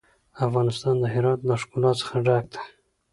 افغانستان د هرات له ښکلا څخه ډک دی.